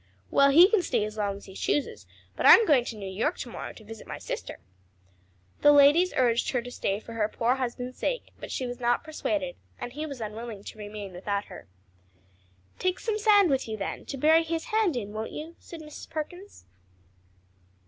"Well, he can stay as long as he chooses, but I'm going to New York to morrow to visit my sister." The ladies urged her to stay for her poor husband's sake, but she was not to be persuaded, and he was unwilling to remain without her. "Take some sand with you, then, to bury his hand in, won't you?" said Mrs. Perkins.